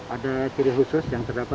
ada ciri khusus yang terdapat